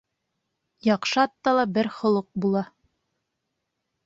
Яҡшы атта ла бер холоҡ була.